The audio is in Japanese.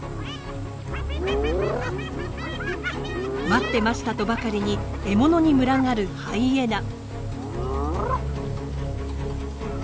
「待ってました」とばかりに獲物に群がるハイエナ。